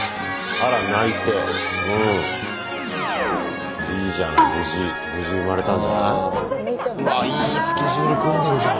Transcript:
ああいいスケジュール組んでるじゃん。